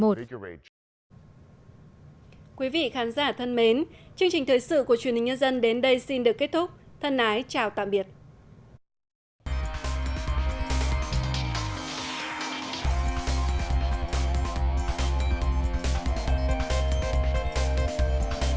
quý vị khán giả thân mến chương trình thời sự của truyền hình nhân dân đến đây xin được kết thúc